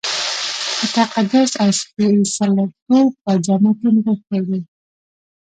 په تقدس او سپېڅلتوب په جامه کې نغښتی دی.